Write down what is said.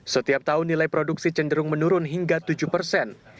setiap tahun nilai produksi cenderung menurun hingga tujuh persen